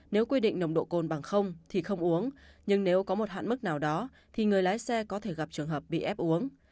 nếu quy định nồng độ cồn bằng không thì không uống nhưng nếu có một hạn mức nào đó thì người lái xe có thể gặp trường hợp bị ép uống